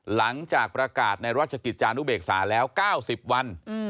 หลังจากประกาศในราชกิจจานุเบกษาแล้ว๙๐วัน